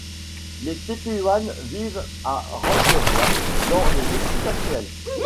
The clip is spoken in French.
Les Tepehuanes vivent à Ranchería dans le Mexique actuel.